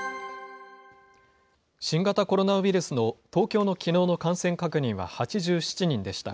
新型コロナウイルスの東京のきのうの感染確認は８７人でした。